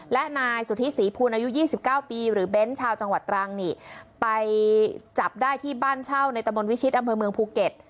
และนายสุธิศรีภูลอายุ๒๙ปีหรือเบ้นชาวจังหวัดตรังนี่ไปจับได้ที่บ้านเช่าในตะบนวิชิตอำเภอเมืองภูเก็ต